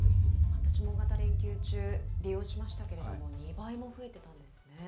私も大型連休中、利用しましたけれども、２倍も増えてたんですね。